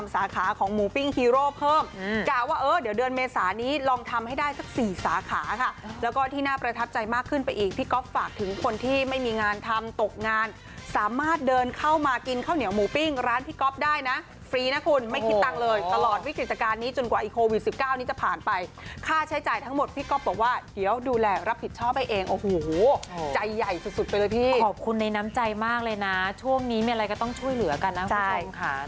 สาขาค่ะแล้วก็ที่น่าประทับใจมากขึ้นไปอีกพี่ก๊อฟฝากถึงคนที่ไม่มีงานทำตกงานสามารถเดินเข้ามากินข้าวเหนียวหมูปิ้งร้านพี่ก๊อฟได้นะฟรีนะคุณไม่คิดตังค์เลยตลอดวิกฤติการณ์นี้จนกว่าอีโควิด๑๙นี้จะผ่านไปค่าใช้จ่ายทั้งหมดพี่ก๊อฟบอกว่าเดี๋ยวดูแลรับผิดชอบไปเองโอ้โหใจใหญ่สุดไปเลย